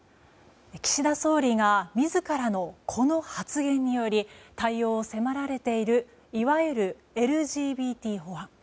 岸田総理が自らのこの発言により対応を迫られているいわゆるＬＧＢＴ法案。